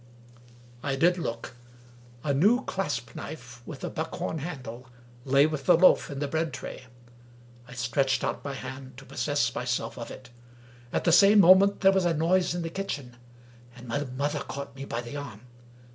I did look. A new clasp knife, with a buckhorn handle, lay with the loaf in the bread tray. I stretched out my hand to possess myself of it. At the same moment, there was a noise in the kitchen, and my mother caught me by the arm.